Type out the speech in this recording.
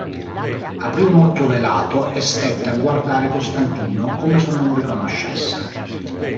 Aprì un occhio velato e stette a guardare Costantino come se non lo riconoscesse.